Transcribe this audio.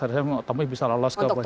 harusnya tommy bisa lolos ke bahia putra